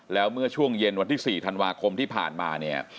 แล้วเมื่อช่วงเย็นวันที่๔ธันวาคมที่ผ่านมาเนี่ย